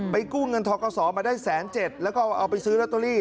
ไปกู้เงินทอคสอมาได้แสนเจ็ดแล้วก็เอาไปซื้อรอเตอรี่